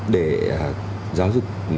để giáo dục